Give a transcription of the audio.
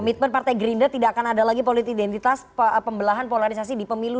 komitmen partai gerindra tidak akan ada lagi politik identitas pembelahan polarisasi di pemilu